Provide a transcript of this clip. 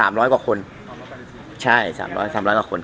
นุ๊ตยังไม่มาทักที